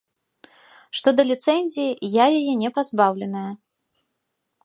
Што да ліцэнзіі, я яе не пазбаўленая.